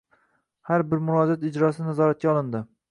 Har bir murojaat ijrosi nazoratga olindi